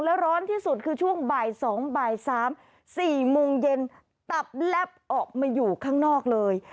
แล้วร้อนที่สุดคือช่วงบ่าย๒บ่าย๓๔โมงเย็นตับแลบออกมาอยู่ข้างนอกเลย